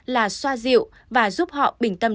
là xoa dịu và giúp họ bình tâm